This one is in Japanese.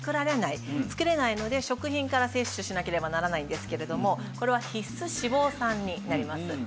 作れないので食品から摂取しなければならないんですけれどもこれは必須脂肪酸になります。